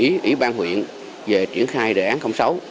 ủy ban huyện về triển khai đề án sáu